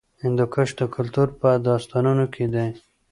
هندوکش د کلتور په داستانونو کې دی.